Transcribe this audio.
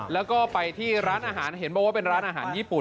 แล้วก็ไปที่ร้านอาหารเห็นบอกว่าเป็นร้านอาหารญี่ปุ่น